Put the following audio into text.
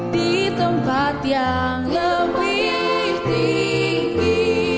di tempat yang lebih tinggi